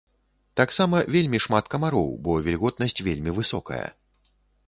Таксама вельмі шмат камароў, бо вільготнасць вельмі высокая.